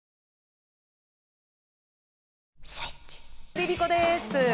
ＬｉＬｉＣｏです。